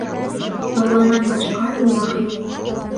— Алланан башҡа илаһ юҡ.